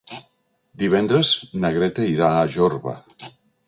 Divendres na Greta irà a Jorba.